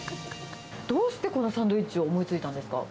どうしてこのサンドイッチを思いついたんですか？